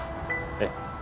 ええ